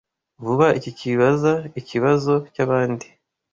Vuba, iki kizaba ikibazo cyabandi.